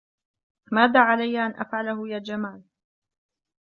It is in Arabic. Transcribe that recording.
ماذا علي أن أفعله يا جمال؟